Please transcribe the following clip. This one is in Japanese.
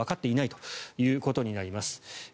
まだよくわかっていないということになります。